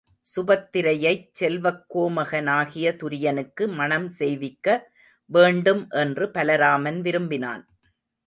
சுபத்திரையைச் செல்வக் கோமகனாகிய துரியனுக்கு மணம் செய்விக்க வேண்டும் என்று பலராமன் விரும்பினான்.